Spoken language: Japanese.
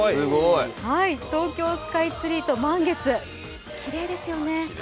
東京スカイツリーと満月、きれいですよね。